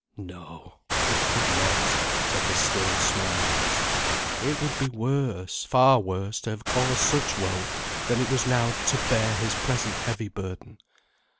No! he could not, said the still small voice. It would be worse, far worse, to have caused such woe, than it was now to bear his present heavy burden.